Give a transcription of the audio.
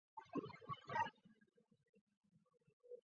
但其合格标准比食用奶粉低。